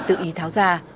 tự ý tháo ra